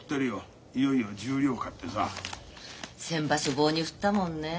先場所棒に振ったもんね。